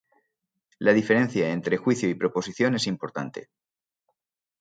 La diferencia entre juicio y proposición es importante.